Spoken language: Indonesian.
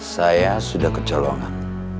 saya sudah ke colongan